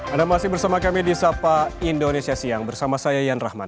anda masih bersama kami di sapa indonesia siang bersama saya ian rahman